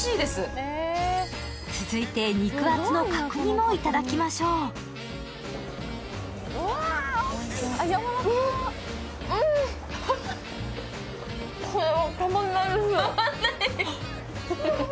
続いて肉厚の角煮もいただきましょううんたまんない？